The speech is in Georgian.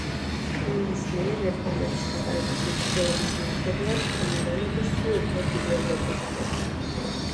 კრემლის მიერ რეფორმების გატარების მცდელობის მიუხედავად, კრიმინალები სულ უფრო ძლიერდებოდნენ.